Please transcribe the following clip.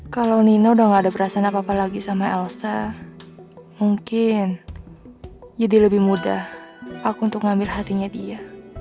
kalau nino udah gak ada perasaan apa apa lagi sama elsa mungkin jadi lebih mudah aku untuk ngambil hatinya dia